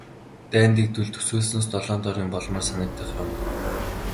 Дайн дэгдвэл төсөөлснөөс долоон доор юм болмоор санагдах юм.